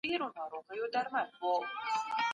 حضوري تدريس د عملي مهارتونو بې تمرين پرته نه وي.